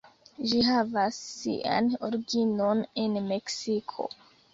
Ĝi havas sian originon en Meksiko.